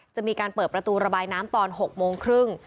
จะมีการเปิดประตูระบายน้ำตอน๖โมงครึ่ง